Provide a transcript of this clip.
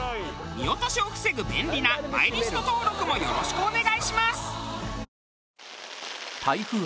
見落としを防ぐ便利なマイリスト登録もよろしくお願いします。